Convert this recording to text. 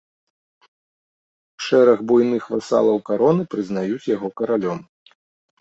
Шэраг буйных васалаў кароны прызнаюць яго каралём.